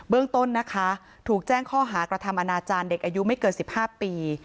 เรื่องต้นนะคะถูกแจ้งข้อหากระทำอนาจารย์เด็กอายุไม่เกิน๑๕ปี